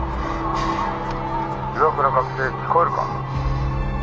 「岩倉学生聞こえるか？」。